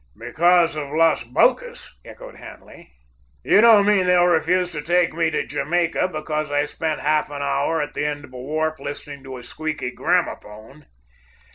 "Because of Las Bocas?" echoed Hanley. "You don't mean they'll refuse to take me to Jamaica because I spent half an hour at the end of a wharf listening to a squeaky gramophone?"